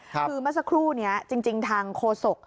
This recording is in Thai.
คือเมื่อสักครู่นี้จริงทางโฆษก